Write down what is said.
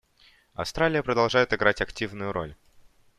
Австралия продолжает играть активную роль.